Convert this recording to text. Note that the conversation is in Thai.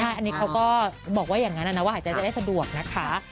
ใช่อันนี้เขาก็บอกว่าอย่างนั้นนะว่าหายใจจะได้สะดวกนะคะ